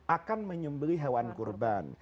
akan menyembeli hewan kurban